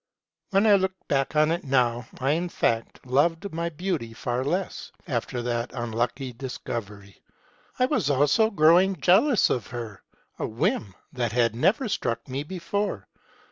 " When I look back on it now, I, in fact, loved my beauty far less after that unlucky discovery : I was also growing jealous of her, ŌĆö a whim that had never struck me before.